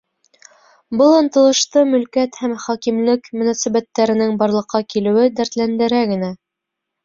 Был ынтылышты мөлкәт һәм хакимлыҡ мөнәсәбәттәренең барлыҡҡа килеүе дәртләндерә генә.